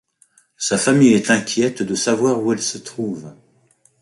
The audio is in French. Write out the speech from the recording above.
Sa famille est inquiète de savoir où elle se trouve.